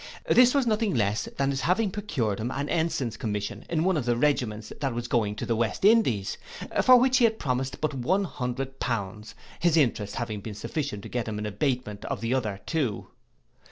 This was nothing less than his having procured him an ensign's commission in one of the regiments that was going to the West Indies, for which he had promised but one hundred pounds, his interest having been sufficient to get an abatement of the other two.